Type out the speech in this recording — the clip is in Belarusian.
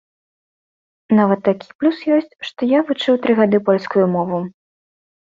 Нават такі плюс ёсць, што я вучыў тры гады польскую мову.